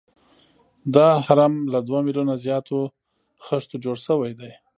دا هرم له دوه میلیونه زیاتو خښتو جوړ شوی دی.